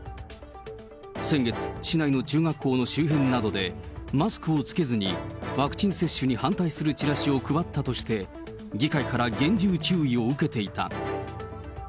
先月、市内の中学校の周辺などで、マスクを着けずにワクチン接種に反対するチラシを配ったとして、議会から厳重注意を受けていた。